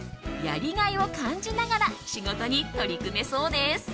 やりがいを感じながら仕事に取り組めそうです。